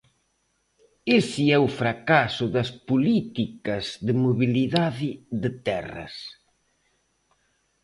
Ese é o fracaso das políticas de mobilidade de terras.